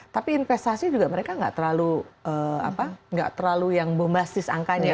tapi investasi juga mereka nggak terlalu yang bombastis angkanya